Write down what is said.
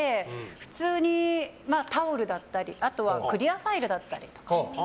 普通にタオルだったりあとは、クリアファイルだったり。